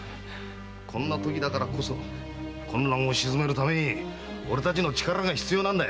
こんなときだからこそ混乱を鎮めるために俺たちの力が必要なんだ。